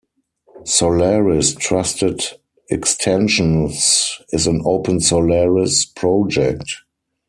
Solaris Trusted Extensions is an OpenSolaris project.